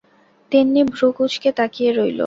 তিন্নি ভ্রূ কুঁচকে তাকিয়ে রইল।